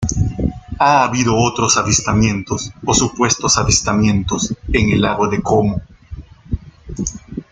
Ha habido otros avistamientos, o supuestos avistamientos, en el Lago de Como.